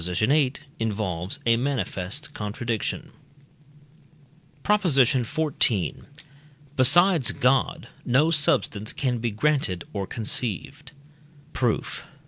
viii) involves a manifest contradiction. PROP. XIV. Besides God no substance can be granted or conceived. Proof.